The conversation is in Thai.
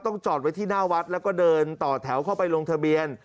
จอดไว้ที่หน้าวัดแล้วก็เดินต่อแถวเข้าไปลงทะเบียน